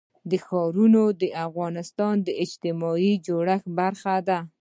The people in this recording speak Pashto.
ښارونه د افغانستان د اجتماعي جوړښت برخه ده.